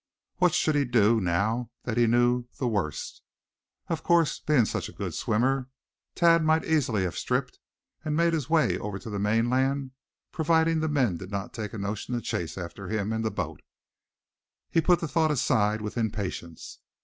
What should he do, now that he knew the worst? Of course, being such a good swimmer, Thad might easily have stripped, and made his way over to the mainland, providing the men did not take a notion to chase after him in the boat. He put the thought aside with impatience.